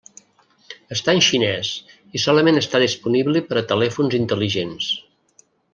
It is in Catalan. Està en xinès i solament està disponible per a telèfons intel·ligents.